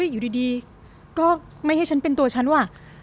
อยู่ดีก็ไม่ให้ฉันเป็นตัวฉันว่ะ